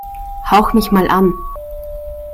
Hauch mich mal an!